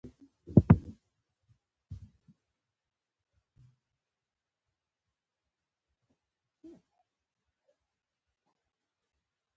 ژبه د یو قوم پېژند دی.